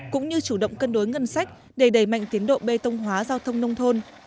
cũng như chủ động cân đối ngân sách để đẩy mạnh tiến độ bê tông hóa giao thông nông thôn